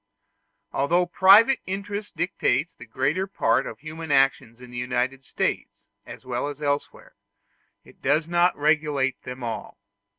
Although private interest directs the greater part of human actions in the United States as well as elsewhere, it does not regulate them all.